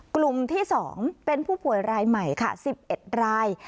กลุ่มที่๒เป็นผู้ป่วยรายใหม่ค่ะ๑๑ราย